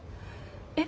えっ？